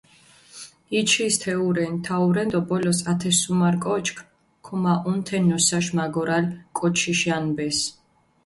იჩის თეურენი, თაურენი დო ბოლოს ათე სუმარ კოჩქ ქუმაჸუნ თე ნოსაში მაგორალი კოჩიში ანბეს.